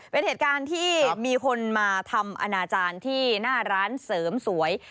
เป็นเหตุการณ์ที่มีคนมาทำอนาจารย์ที่หน้าร้านเสริมสวย